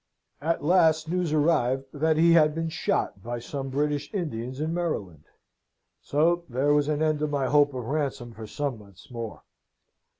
"At last news arrived that he had been shot by some British Indians in Maryland: so there was an end of my hope of ransom for some months more.